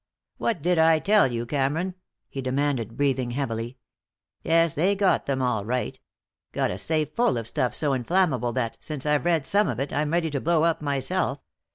"What did I tell you, Cameron?" he demanded, breathing heavily. "Yes, they got them all right. Got a safe full of stuff so inflammable that, since I've read some of it, I'm ready to blow up myself.